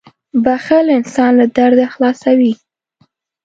• بښل انسان له درده خلاصوي.